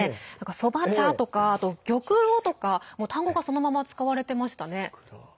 そば茶とか、玉露とか単語がそのまま使われてましたね。